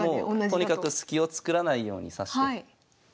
とにかくスキを作らないように指して。